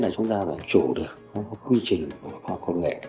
chủ được quy trình của khoa học công nghệ